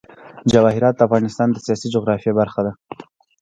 جواهرات د افغانستان د سیاسي جغرافیه برخه ده.